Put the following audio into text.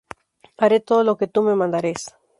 Haré todo lo que tú me mandares.